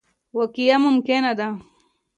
وقایه ممکنه ده.